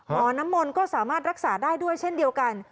หมอน้ำมนต์ก็สามารถรักษาได้ด้วยเช่นเดียวกัน